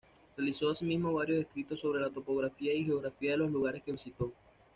Realizó asimismo varios escritos sobre la topografía y geografía de los lugares que visitó.